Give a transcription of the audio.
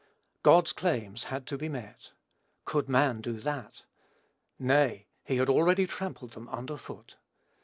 God's claims had to be met. Could man do that? Nay, he had already trampled them under foot.